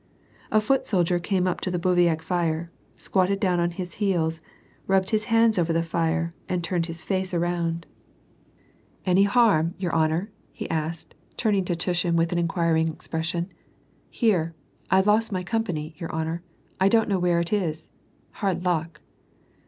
A foot soldier came up to the bivouac fire, squatted down on his heels, rubbed his hands over the fire, and turned bis fact around. WAR AND PEACE. 236 "Any harm, your honor?"* he asked, turning to Tushin with an inquiring expression. " I^ere, I've lost my company, your honor, I don't know where it is ! Hard luck."